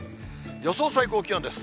予想最高気温です。